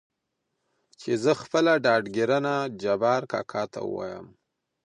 چې زه خپله ډاډګرنه جبار کاکا ته ووايم .